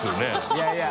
いやいや。